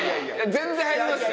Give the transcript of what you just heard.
全然入りますよ。